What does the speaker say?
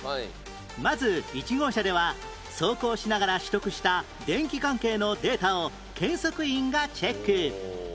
まず１号車では走行しながら取得した電気関係のデータを検測員がチェック